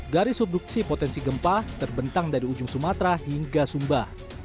garis subduksi potensi gempa terbentang dari ujung sumatera hingga sumba